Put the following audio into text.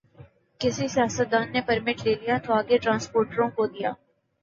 کسی سیاستدان نے پرمٹ لے لیا تو آگے ٹرانسپورٹروں کو دیا۔